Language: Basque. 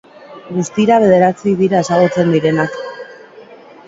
Guztira bederatzi dira ezagutzen direnak.